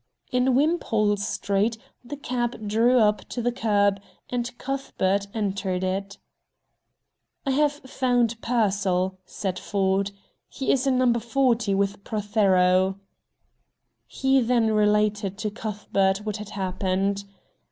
In Wimpole Street the cab drew up to the curb, and Cuthbert entered it. "I have found Pearsall," said Ford. "He is in No. 40 with Prothero." He then related to Cuthbert what had happened.